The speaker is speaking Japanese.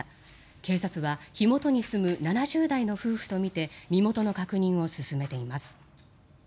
警察は火元に住む７０代の夫婦とみて身元の確認を進めています。